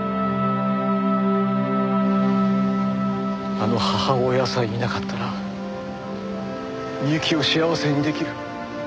あの母親さえいなかったら美雪を幸せに出来る。